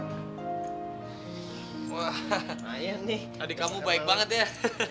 lumayan nih adik kamu baik banget ya